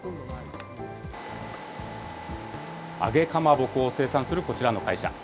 揚げかまぼこを生産するこちらの会社。